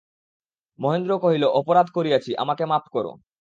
মহেন্দ্র কহিল, অপরাধ করিয়াছি, আমাকে মাপ করো।